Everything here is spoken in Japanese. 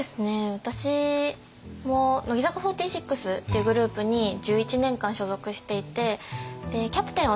私も乃木坂４６っていうグループに１１年間所属していてキャプテンを３年半務めて。